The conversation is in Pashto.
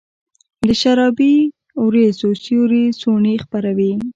د شرابې اوریځو سیوري څوڼي خپروي